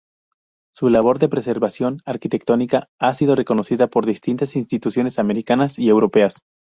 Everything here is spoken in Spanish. Su labor de preservación arquitectónica ha sido reconocida por distintas instituciones americanas y europeas.